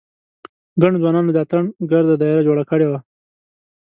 ګڼو ځوانانو د اتڼ ګرده داېره جوړه کړې وه.